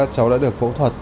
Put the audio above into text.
cháu đã được phẫu thuật